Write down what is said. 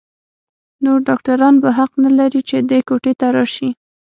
نور ډاکتران به حق نه لري چې دې کوټې ته راشي.